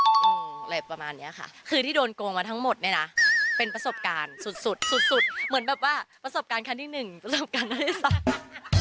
อะไรประมาณเนี้ยค่ะคือที่โดนโกงมาทั้งหมดเนี่ยนะเป็นประสบการณ์สุดสุดสุดเหมือนแบบว่าประสบการณ์ครั้งที่หนึ่งประสบการณ์